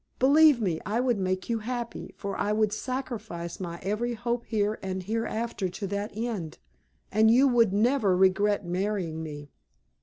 Believe me, I would make you happy, for I would sacrifice my every hope here and hereafter to that end, and you would never regret marrying me."